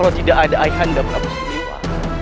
kalau tidak ada ayah anda berapa seliwa